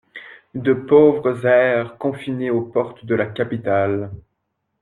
De pauvres hères confinés aux portes de la capitale